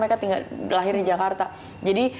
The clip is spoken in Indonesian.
mereka tinggal lahir di jakarta jadi